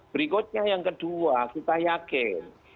berikutnya yang kedua kita yakin